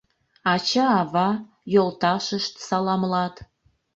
Ача-ава, йолташышт саламлат